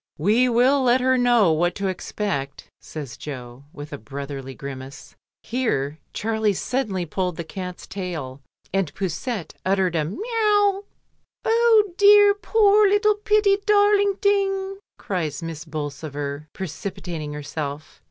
"We will let her know what to expect," says Jo, with a brotherly grimace. Here Charlie suddenly pulled the cat's tail, and Poussette uttered a miaulL "Oh de poor litty pitty darling ting," cries Miss Bolsover, precipitating herself.